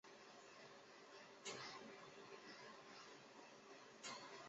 台湾隐柱兰为兰科隐柱兰属下的一个变种。